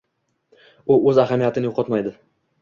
U o‘z ahamiyatini yo‘qotmaydi.